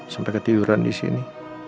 sampai ketiduran disini